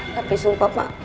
tapi sumpah pak